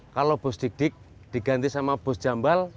kalau bos dik dik diganti sama bos jambal